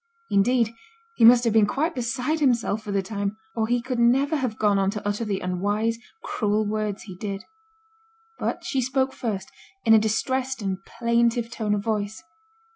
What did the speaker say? Indeed, he must have been quite beside himself for the time, or he could never have gone on to utter the unwise, cruel words he did. But she spoke first, in a distressed and plaintive tone of voice.